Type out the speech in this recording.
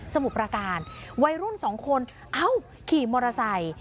มุดประการวัยรุ่นสองคนเอ้าขี่มอเตอร์ไซค์